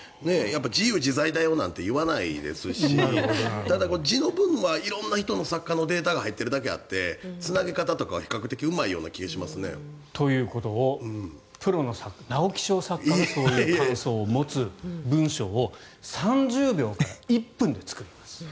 自由自在だよなんて言わないですしただ、地の文は色んな作家の人のデータがデータが入っているだけあってつなぎ方とかはうまいような気がしますね。ということをプロの、直木賞作家がそういう感想を持つ文章を３０秒から１分で作ります。